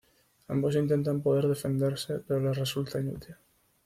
Ambos intentan poder defenderse pero les resulta inútil.